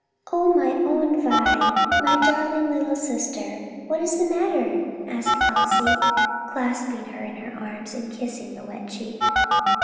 "Oh my own Vi, my darling little sister! what's the matter?" asked Elsie, clasping her in her arms, and kissing the wet cheek.